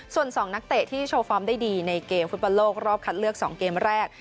ส่วน๒นักเตะที่โชว์ฟอร์มได้ดีในเกมฟุตบอลโลกรอบคัดเลือก๒เกมแรก